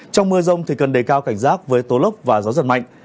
trong mưa rông thì cần đề cao cảnh giác với tố lốc và gió giật mạnh